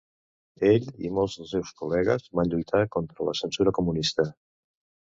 Ell i molts dels seus col·legues van lluitar contra la censura comunista.